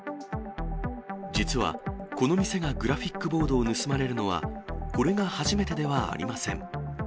実は、この店がグラフィックボードを盗まれるのは、これが初めてではありません。